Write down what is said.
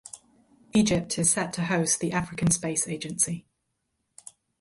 Egypt is set to host the African Space Agency.